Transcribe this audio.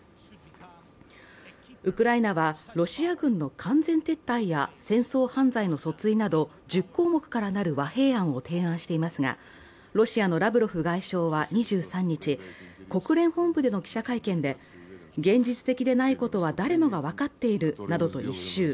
ウクライナはロシア軍の完全撤退や戦争犯罪の訴追など１０項目から成る和平案を提案していますが、ロシアのラブロフ外相は２３日、国連本部での記者会見で現実的でないことは誰もが分かっていると一蹴。